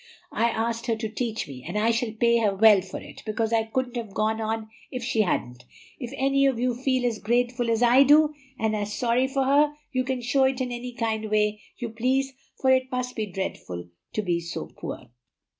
I asked her to teach me, and I shall pay her well for it, because I couldn't have gone on if she hadn't. If any of you feel as grateful as I do, and as sorry for her, you can show it in any kind way you please, for it must be dreadful to be so poor."